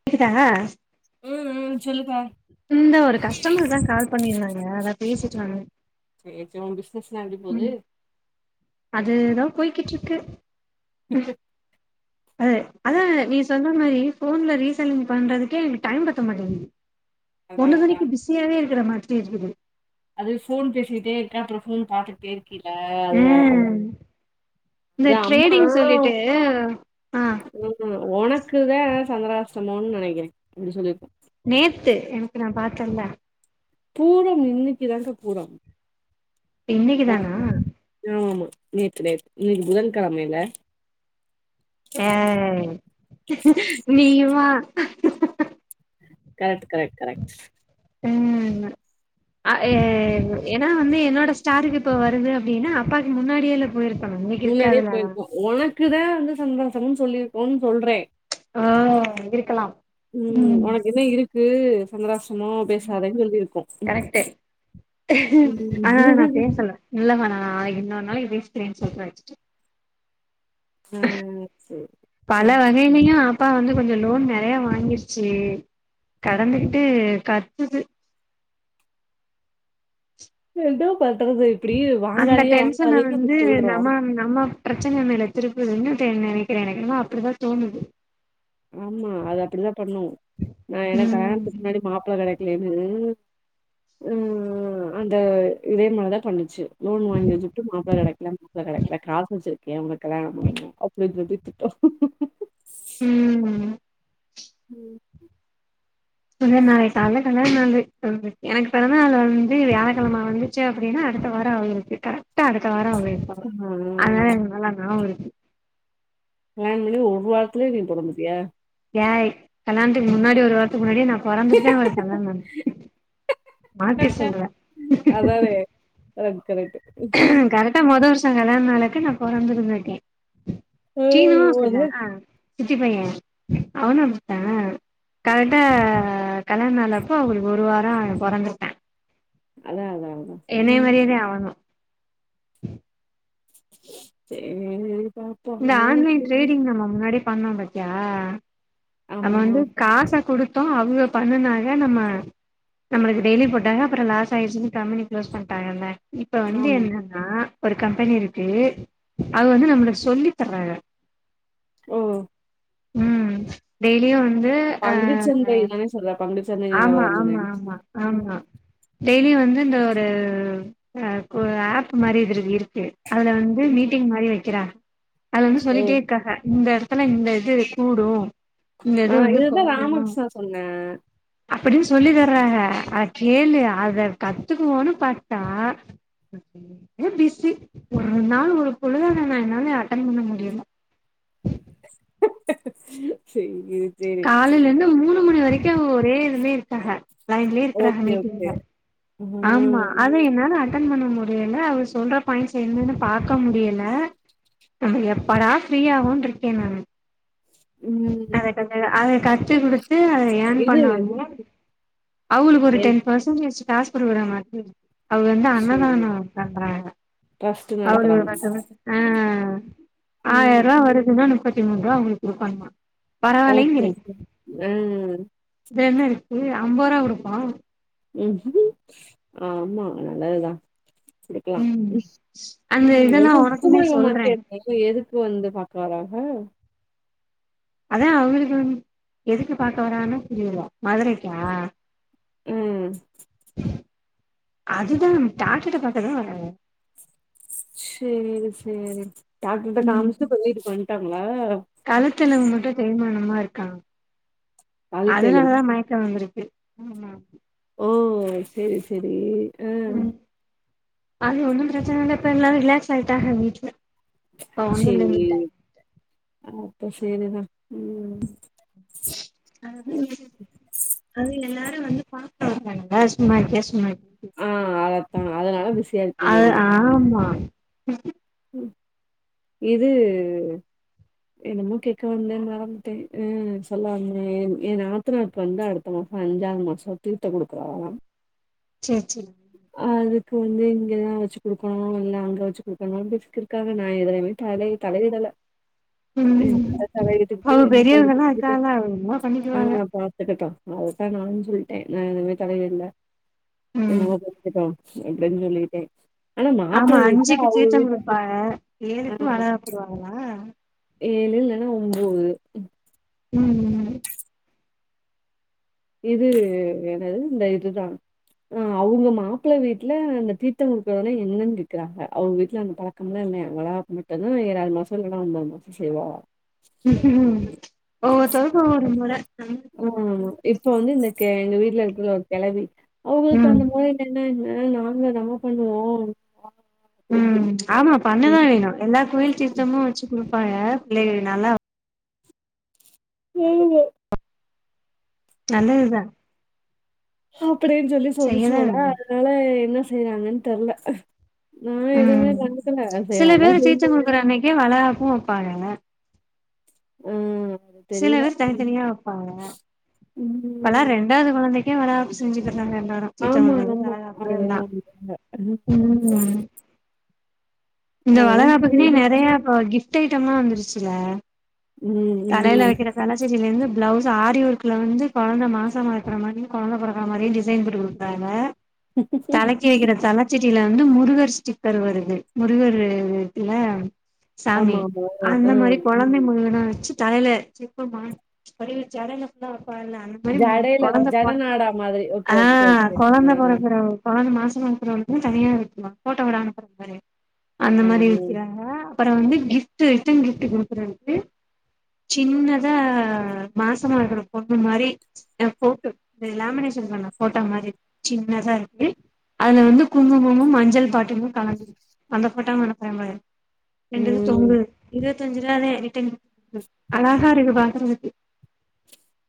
உ கேக்குதா ம் ம் சொல்லுப்பா இந்த ஒரு கஸ்டமர் தா கால் பண்ணியிருந்தாங்க அதா பேசிட்டு வந்தோ சேரி சேரி உ பிசினஸ்லா எப்டி போது அது தா போய்கிட்டு இருக்கு அ அதா நீ சொன்னா மாரி ஃபோன்ல ரீசேலிங் பண்றதுக்கே எனக்கு டைம் பத்த மாட்டேங்கிது அதா அதா பொழுதனிக்கு பிஸியாவே இருக்குற மாதிரி இருக்குது அது ஃபோன் பேசிக்கிட்டே இருக்க அப்றோ ஃபோன் பாத்துட்டே இருக்கில அதுனால தா ம் இந்த ட்ரேடிங் சொல்லிட்டு ஆ உனக்கு தா சந்திராஷ்டமன்னு நெனைக்கிறே அப்டி சொல்லியிருக்கோ நேத்து எனக்கு நா பாத்தேல்ல பூரம் இன்னிக்கி தா அக்கா பூரம் இன்னிக்கி தானா ஆமா ஆமா நேத்து நைட் இன்னைக்கி புதன்கெழமைல ஏய் நீயுமா கரெக்ட் கரெக்ட் கரெக்ட் ம் இங்கற ஏன்னா வந்து என்னோட ஸ்டாருக்கு இப்ப வருது அப்டின்னா அப்பாக்கு முன்னாடியே எல்லா போயி இருக்கானுங்க முன்னாடியே போயிருக்கோ உனக்கு தா வந்து சந்திராஷ்டமம் சொல்லிருக்கோம்னு சொல்றே ஆ இருக்கலாம் ம் உனக்கு இன்னு இருக்கு சந்திராஷ்டமம் பேசாதேன்னு சொல்லியிருக்கோ கரெக்ட்டு ஆனா நா பேசல இல்லமா நா இன்னொரு நாளைக்கி பேசிக்கிறேன்னு சொல்றே வெச்சிட்டு ம் சேரி பல சேரி வகையிலயையு அப்பா வந்து கொஞ்சோ லோன் நெறைய வாங்கிருச்சி கடந்து கிட்டே கத்துது என்ன பண்றது இப்டி வாங்காதே வாங்காதேன்னு நம்ம சொல்றோ அம்மா பிரச்சன மேல திருப்புது என்னத்த நெனக்கிறே எனக்கு அப்டிதா தோணுது ஆமா அது அப்டிதா பண்ணு நா எனக்கு கல்யாணத்துக்கு ம் முன்னாடி மாப்ள கெடைக்கலன்னு ம் ம் அந்த இதே மாரி தா பண்ணுச்சி லோன் வாங்கி வெச்சிட்டு மாப்ள கெடைக்கல மாப்ள கெடைக்கல காசு வெச்சிருக்கு கே உனக்கு கல்யாண பண்ணணு அப்டி சொல்லிட்டு திட்டோ ம் ம் முந்தன் நாளைக்கு கால்ல கால்யாண நாளு எனக்கு பெறந்த நாள் வந்து வியாழக்கெழம வந்து ச்ச அப்டின்னா அடுத்த வாரோ அவுங்களுக்கு கரெக்டா அடுத்த வாரோ அவுங்களுக் இருப்பாங்க ஆ அதனால நல்லா ஞாபோ இருக்கு ஃபேம்லியு ஒரு வாரத்துலயே நீ போட முடியா ஏய் கல்யாணத்துக்கு முன்னாடி ஒரு வார த்துக்கு முன்னாடியே நா பொறந்துட்டு தா அவருக்கு கல்யாண நடந் மாத்தி சொல்ற அதானே கரெக்ட் கரெக்ட்டு கரெக்டா மொத வருஷோ கல்யாண நாளுக்கு நா பொறந்து இருந்தக்கே சீனுவு அப்டி தா அ சித்தி பைய அவனு அப்டித்தா கரெக்ட கல்யாண நாளப்போ அவுங்களுக்கு ஒரு வாரோ பொறந்துட்ட அதா அதா அதா என்னே ம் மாரியே தா அவனு சேர் இந்த ஆன்லைன் ட்ரேடிங் நம்ம முன்னாடியே பண்ணோ பாத்தியா நம்ம ஆமா வந்து காச குடுத்தோ அவுங்க பண்ணுணாங்க நம்ம நம்மளுக்கு டெய்லி போட்டாங்க அப்பறோ லாஸ் ஆச்சுன்னு கம்பெனி க்ளோஸ் பண்ணட்டாங்கல்ல இப்ப வந்து ஆமா என்னன்னா ஒரு கம்பெனி இருக்கு அது வந்து நம்மளுக் சொல்லி தர்றாங்க ஓ ம் டெய்லியு வந்து அ பங்குச்சந்தை தான சொல்ற பங்குச்சந்தை ஆமா நிலவரந்தானே ஆமா ஆமா ஆமா டெய்லி வந்து இந்த ஒரு அ கோ ஆப் மாரி இதுல இருக்கு அதுல வந்து மீட்டிங் மாரி வைக்கிறாங் அது வந்து ஓ சொல்லிட்டே இருக்காங்க இந்த எடத்துல இந்த இது கூடு இந்த இது வந்து குறைஞ்சிறு ஒண்ண அப்டின்னு சொல்லி தர்றாக ஆ கேளு அத கத்துக்குவோன்னு பாத்தா ரொம்ப பிஸி ஒரு நாள் ஒரு பொழுதான நா என்னால அட்டன் பண்ண முடில [unintelligible] காலையில இருந்து மூணு மணி வரைக்கு ஒரே இதுலே இருக்காக லைன்லே இருக்கறாக ஓகே ஓகே மீட்டிங்ல ஆமா ம் அத என்னால அட்டன் பண்ண முடியல அவர் சொல்ற பாயிண்ட்ஸ் என்னன்னு பாக்க முடியல நம்ம எப்படா ஃப்ரீயாவோன்றிக்கே நானு உண்மாலுமேதே அத அத கத்து குடுத்து அதுல யேன் இது பண்ணோனே அவளுக்கு ஒரு எ டென் பெர்சன்டேஜ் காசு குடுக்குறாங்க அவுங்க வந்து சேரி அன்னதானம் பண்றாங்க ட்ரஸ்ட் அவரு ஒரு நடத்துறாங்க பத்து ஆ ஆயிரம் ம் ரூபா வருதுன்ன முப்பத்திமூன்று ரூவா அவுங்களுக்கு குடுக்கனுமா ஓகே ஓகே ம் இதுல என்ன இருக்கு அம்பது ரூபா குடுப்போ ஆமா நல்லதுதா குடுக்கலா ம் [unintelligible] அந்த இதெல்லா உனக்குமே சொல்றே இப்ப எதுக்கு வந்து பாக்க வராக அதா அவுங்களுக்கு எதுக்கு பாக்க வராங்கனு புரியல மதுரைக்கா ம் அதுதா டாக்டர்ட்ட பாக்கதா வராங்க சரி சரி டாக்டர்கிட்ட ம் காமிச்சுட்டு இப்ப வீட்டுக்கு வந்துட்டாங்களா கழுத்துல மட்டு தேய்மானமா இருக்கா அழுத்த எலும்பு அதனாலதா மயக்கோ வந்திருக்கு ம் ஓ சேரி சேரி ஆ ம் அது ஒன்னு பிரச்சன இல்ல இப்ப எல்லாரு ரிலாக்ஸ் ஆயிட்டாங்க வீட்டுல சேரி அப்ப சேரிதா ம் அதுதா ம். விதி அது எல்லாரும் வந்து பணத்த வைப்பாங்களா சும்மா கேஸ்டு மாரி ஆ அதத்தா அதனால பிஸியா இருக்கீங்க அது நீங்க ஆமா இது என்னமோ கேக்க வந்த மறந்துட்ட ம் சொல்ல வந்த ஏனா ஆப் நாத்தினாருக்கு வந்து அடுத்த மாச அஞ்சாவது மாச தீர்த்த கொடுக்குறாங்களா சேர் சேரி அதுக்கு வந்து இங்கதா வச்சு குடுக்கணும் இல்ல அங்க வச்சு குடுக்கணும்னு பேசிக்கிட்றுக்காக நா எதலயுமே தலை தலையிடல ம் எ தல தலையிட்டுக்கிட்டு அவங்க என்னத்த பெரியவங்கல்லா இருக்காங்க அவங்க என்னமோ பண்ணிக்குவாங்க இருக்கட்டும் அததா நானு சொல்லிட்ட நா எதுவுமே தலையிடல ம் என்னமோ பண்ணிக்கிட்டு அப்டின்னு சொல்லிகிட்ட ஆமா அஞ்சுக்கு தீரத்தங்குடுப்பாங்க ஏழுக்கு வளகாப்பு போடுவாங்கலா ஏழு இல்லன்னா ஒன்பது ம் இது என்னது இந்த இதுதா அ அவங்க மாப்பிள வீட்டுல அந்த தீர்த்த கொடுக்கறதுன்னா என்னன்னு கேக்குறாங்க அவங்க வீட்டுல அந்த பழக்க கம்மலா இல்லயா வளகாப்பு விட்டடது ஏழாது மாச இல்லன்னா ஒன்பது மாச செய்வோ ம் ஒவ்த்தவகளுக்கு ஒவ்வொரு முறை ஓ இப்ப வந்து இந்த எங்க வீட்டுல இருக்குற கிளவி அவுங்களுக்கு ம் அந்த முறை இல்லன்னா என்ன நாங்க தா பண்ணுவோ ம் ஆமா பண்ணதா வேணு எல்லா கோயில் தீர்த்தமு வச்சி குடுப்பாங்க பிள்ளைகள் நல்லா [unintelligible] நல்லதுதா அப்டின்னு சொல்லி செய்யதா சொல்லிச்சுவோலா வேணு அதனால என்ன செய்யறாங்கன்னு தெர்ல நா எதுவுமே கண்டுக்கல செய்றாந்தா செய்ங்க சுத்துற அன்னைக்கே வளகாப்பு வைப்பாங்கள அ சில தெரில பேர் ம் தனித்தனியா வைப்பாங்க இப்பல்லா ம். ரெண்டாவது குழந்தைக்கே வளகாப்பு செஞ்சுக்குறாங்க எல்லாரு தீர்த்த ஆமா, கொடுக்கறது ஆமா. வளகாப்பு எல்லா அதுதான் உண்ம. ம் இந்த அதுதான் வளகாப்புக்குன்னே புரியுது. நெறைய இ கிஃப்ட் ஐட்ட எல்லா வந்துருச்சில ம், ம், தலையில ம். வைக்கிற கல வச்சதில இருந்து பிளவுஸ் ஆரி ஒர்கக்குல வந்து குழந்த மாசமாக்குற மாதிரியு குழந்த பிறக்கற மாரி டிசைன் போட்டு குடுக்குறாங்க எ ச [unintelligible] சுத்தி வைக்கிற தலச்செடியில வந்து முருகர் ஸ்டிக்கர் வருது முருகரு இருக்குல சாமி ஆமா, ஆமா. அந்த ஆ. மாரி குல குழந்த முருகன வச்சு தலையில செப்பமா மாட்டி சடயிலல்ல ஃபுல்லா வைப்பங்கள அந்த இது மாரி ஜடையில குழந்தை ஜட பொறக் நாடா மாதிரி. ஓகே, ஆ ஓகே, ஓகே. ஆ, குழந்தை பொறக்குற குழந்த மாசமா இருக்குற வரைக்கு தனியா இருக்கலா போட்டோ கூட அனுப்புற பாரு அந்த ஆ. மாரி விக்கிறாங்க அப்பற வந்து கிஃப்ட் ரிட்டர்ன் கிப்ட் குடுக்குரத்துக்கு சின்னதா மாசமாக்குற பொண்ணு மாரி போட்டோ இந்த லேமினேஷன் பண்ண போட்டா மாரி சின்னதா இருக்கு அதுல வந்து குங்குமமும் மஞ்சள் பாட்டிருமும் கலந்துரு அந்த போட்டோவு அனுப்புரே பாரு ரெண்டுது ம். தொங்குது இருபத்தஞ்சுல தா எடிடிங் அழாகா இருக்கு பாக்குறதுக்கு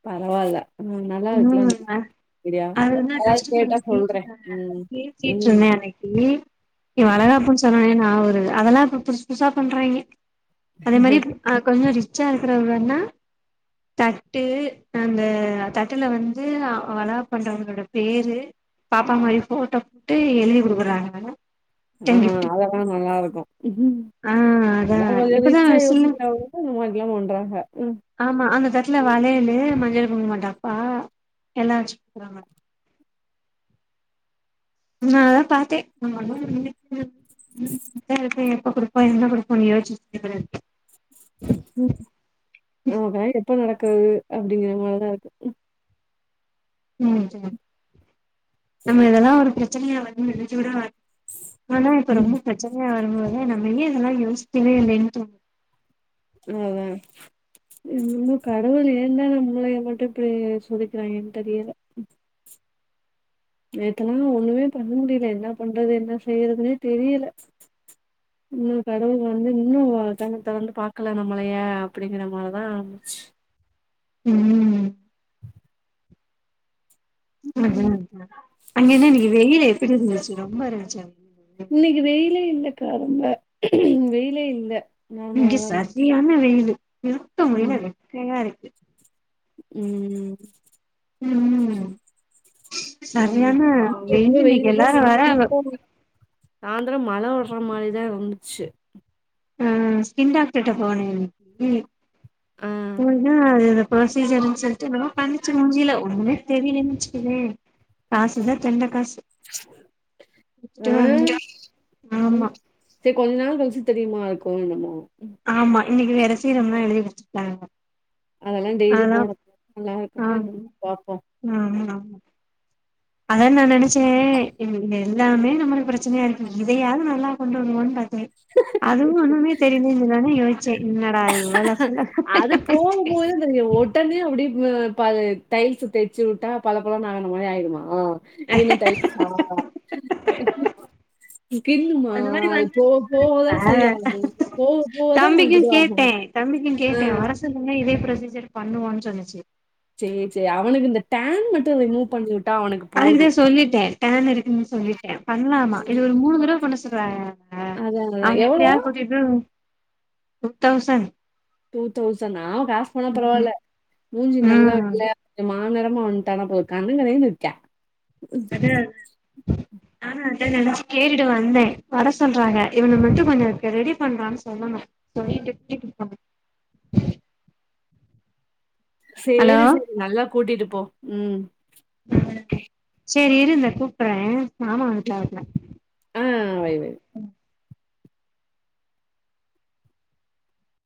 பரவால்ல ம் நல்லா இருக்குல ம் அன்னிகி நா அதுதா கஷ்டமர் சொல்றேன். கேட்ருந்தாங்க ம். பேசிட்டு ம். இருந்தே அன்னக்கி இங்க வளகாப்பு சொன்னனே நா ஒரு அதெல்லா இப்ப புதுசு புதுசா பண்றாங்க அதே மாரி ஆ கொஞ்ச ரிச்சா இருக்குறவண்ணா தட்டு அந்த தட்டுல வந்து வளகாப்பு பண்றவுங்களோட பேரு பாப்பா மாரி போட்டோ போட்டு எழுதி குடுக்குறாங்க ஆ ரிட்டன் கிஃப்ட்டுக்கு அதெல்லா நல்லா இருக்கு ஆ அதா அத கொஞ்ச இப்பதா ரிச்சா சின்ன யோசிக்குறாவோ முவாக்யோ பன்ளறாக ம் ஆமா அந்த தட்டுல வளையிலு மஞ்சள் குங்கும டப்பா எல்லா வச்சுக்குறாங்க அதனால தா பாத்தே நம்ம [unintelligible] ம் செரி எப்ப குடுப்பா என்ன குடுப்பண்ணு யோசித்து போலருக்கு ஆமக்கா எப்ப நடக்குறது அப்பிடிங்குற மாரிதா இருக்கு ம் சுமா நம்ம இதெல்லா ஒரு பிரச்சனையா வந்து நெனைச்சு கூட ஆனா இப்ப ம் ரொம்ப பிரச்சனையா வரும்போது நம்ம ஏ இதெல்லா யோசிக்கவே இல்லேன்னு தோனு ம் அதா இன்னு கடவுள் ஏந்தா நம் முளைய மட்டு இப்பிடி சொதிக்கிறாங்க ஏ தெரியல என்கென்னமோ ஒண்ணுமே பண்ண முடியில என்ன பண்றது என்ன செய்யிறதுன்னே தெரியில இன்னு கடவுள் வந்து இன்னு கண்ண திறந்து பாக்கல நம்மளயே அப்பிடிங்குற மாரிதா இருந்துச்சு ம் ம் அங்கென இன்னிக்ககி வெயிலு எப்டி இருந்துச்சு ரொம்ப இருந்துச்சா இன்னைக்கி வெயிலே இல்ல கா ரொம்ப வெயிலே இல்ல நார்மலா இங்க தான் இருக்கு. சரியான வெயிலு இருக்க முல்ல ம் வெக்கையாருக்கு ம் ம் ம். சரியானா ரொம்ப வெயிலு இன்னக்கி எல்லாரு வேற சாந்திரோ மழ வர்ற மாரி தா இருந்துச்சு ஆ ஸ்கின் டாக்டர் ட போனு ம் ஆ அதா அது ப்ரொசிஜர்னு சொல்லிட்டு என்னமோ பண்ணுச்சு முஞ்சில ஒன்னுமே தெரியிலன் வச்சுக்கயே காசு தா தென்ட காசு குடுத்துட்டு வந்து ஆமா [unintelligible] செ கொஞ்ச நாள் கழிச்சு தெரியுமா இருக்கோ என்னமோ ஆமா இன்னக்கி வேர சீரம்லா எழுதி வச்சுட்டாங்க அதெல்லா டெய்லி போடு நல்லா இருக்குமா ஆமா என்னனு பாபோ ஆமா ஆமா அதா நா நினைச்சே எல்லாமே நம்மள பிரச்சனையா ருக்கு இதயாது நல்லா கொண்டு வருவோன் பாத் அதுவு ஒன்னுமே தெரில இலனா யோசிச்சே என்னடாது அது போம் போது இந்த ஒட் ஒடனே அப்டியே பை டைல்ஸ் தேச்சு உட்டா பல பலனு ஆகுன மாரி ஆய்டுமா நீனு டைல்ஸா கின்னுமா அந்த மாரி அது வந்தா போவ நல்லா போவ தா இருக்குல்ல சரியாகுமா போவ போவ தா தம்பிக்கு உன்கு இதுவாகு கேட்டே தம்பிக்கு ஆ கேட்டேவரசொல்லுங்க இதே ப்ரெஸ்யூஜர் பண்ணுவோ சொன்னிச்சு சேர் சேரி அவனுக்கு இந்த டேன் மட்டு ரிமூவ் பண்ணிவு அதுக்குதா சொல்லிட்டே டைம் இருக்குன்னு சொல்லிட்டே பண்ணலாமா இது ம் ஒரு மூணு தடவ பண்ண சொல்றாக ஆ அதா அதா எவ்ளோ ன்னா டுத்தௌசன் டூ தௌசன் நா காஸ் போனா ம் பரவால்ல மூஞ்சி நல்லா ம் வெள்ளயா மாநெறமா வந்துட்டானா போது கண்ண கரேனு இருக்க என்னாது ஆ அதா நெனைச்சு கேட்டு வந்தே வர சொல்றாக இவன மட்டு கொஞ்சோ ரெடி பண்றான்னு சொல்லணு சொல்லி [unintelligible] குடுப்பாங்க ஹலோ சேரி சேரி நல்லா கூட்டிட்டு போ ம் சேரி இரு இந்தா கூப்புறே மாமா வந்துட்டாப்ல ஆ வைய் வை